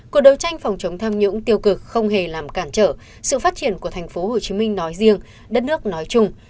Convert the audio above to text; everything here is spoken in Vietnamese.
cuộc đấu tranh phòng chống tham nhũng tiêu cực không hề làm cản trở sự phát triển của thành phố hồ chí minh nói riêng đất nước nói chung